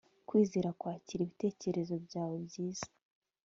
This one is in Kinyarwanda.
Kwizera kwakira ibitekerezo byawe byiza